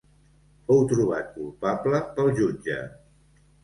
Fou trobat culpable pel jutge.